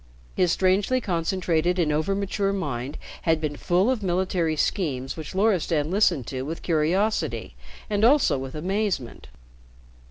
His strangely concentrated and over mature mind had been full of military schemes which Loristan listened to with curiosity and also with amazement.